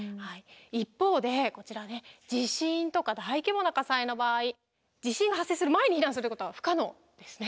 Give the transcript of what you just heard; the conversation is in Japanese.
一方でこちらね地震とか大規模な火災の場合地震が発生する前に避難することは不可能ですね。